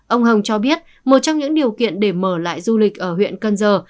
ông hồng cho biết một trong những điều kiện để mở lại du lịch ở huyện cần giờ